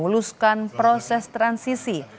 dan memuluskan proses transisi